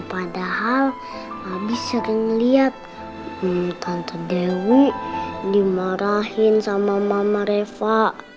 padahal abi sering liat tante dewi dimarahin sama mama reva